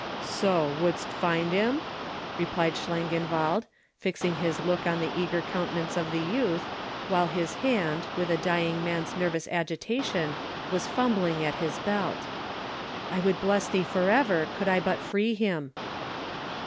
"So! Wouldst find him?" replied Schlangenwald, fixing his look on the eager countenance of the youth, while his hand, with a dying man's nervous agitation, was fumbling at his belt. "I would bless you for ever, could I but free him."